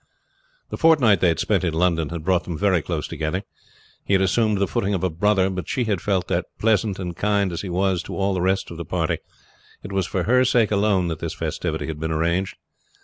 The fortnight they had spent in London had brought them very close together. He had assumed the footing of a brother, but she had felt that pleasant and kind as he was to all the rest of the party it was for her sake alone that this festivity had been arranged.